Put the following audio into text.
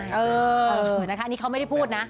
เหมือนค่ะนี้เขาไม้ได้พูดนะ